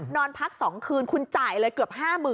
นอนพัก๒คืนคุณจ่ายเลยเกือบ๕๐๐๐